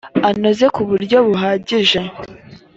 anoze ku buryo buhagije